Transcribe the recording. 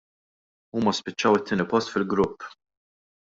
Huma spiċċaw it-tieni post fil-grupp.